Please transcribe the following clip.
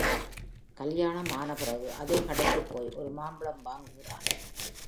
கல்யாணம் ஆன பிறகு அதே கடைக்குப் போய் ஒரு மாம்பழம் வாங்குகிறான்.